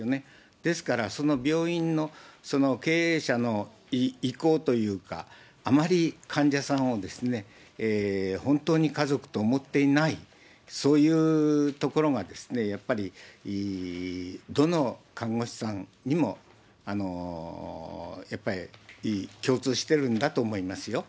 ですから、その病院の経営者の意向というか、あまり患者さんを本当に家族と思っていない、そういうところがやっぱり、どの看護師さんにも、やっぱり共通してるんだと思いますよ。